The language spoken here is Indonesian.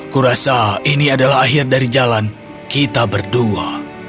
kurasa ini adalah akhir dari jalan kita berdua